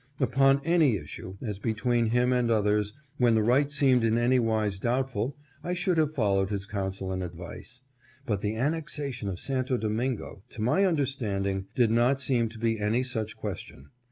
Upon any issue, as between him and others, when the right seemed in anywise doubtful, I should have followed his counsel and advice. But the annexation of Santo Domingo, to my understanding, did not seem to be any such question.